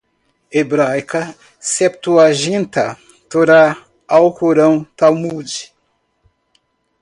hebraica, septuaginta, torá, alcorão, talmude